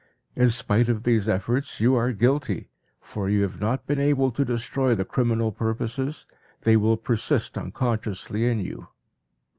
In spite of these efforts, you are guilty, for you have not been able to destroy the criminal purposes, they will persist unconsciously in you."